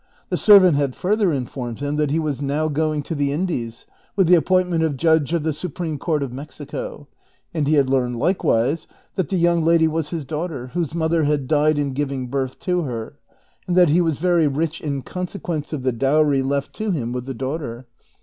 The servant had further informed him that he was now going to the Indies with the appointment of judge of the Supreme Court of Mexico ; and he had learned, likewise, that the young lady was his daughter, whose mother had died in giving birth to her, and that he was very rich in consequence of the dowry left to him with the daughter.